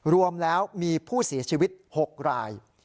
รวมแล้วมีผู้เสียชีวิต๖ราย